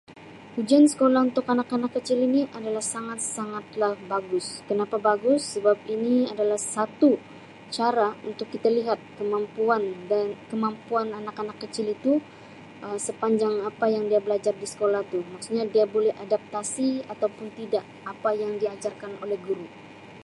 Ujian sekolahk untuk kanak-kanak kecil ini adalah sangat-sangatlah bagus kenapa bagus sebab ini adalah satu cara untuk kita lihat kemampuan dan kemampuan anak-anak kecil itu sepanjang apa yang dia belajar di sekolah tu maksudnya dia boleh adaptasi atau pun tidak apa yang diajarkan oleh guru.